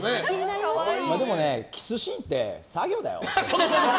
でもキスシーンって作業だよ。